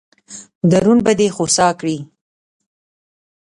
درون به دې خوسا کړي.